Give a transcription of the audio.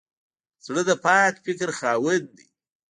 زړه د پاک فکر خاوند دی.